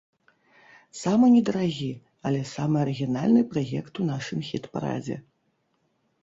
Самы недарагі, але самы арыгінальны праект у нашым хіт-парадзе.